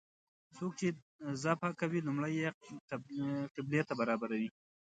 څوک چې ذبحه کوي لومړی یې قبلې ته برابروي.